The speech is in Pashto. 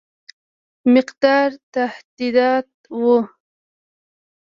مقدار تهدیداوه.